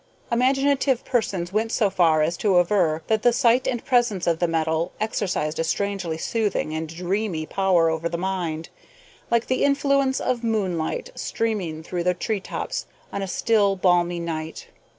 Imaginative persons went so far as to aver that the sight and presence of the metal exercised a strangely soothing and dreamy power over the mind, like the influence of moonlight streaming through the tree tops on a still, balmy night.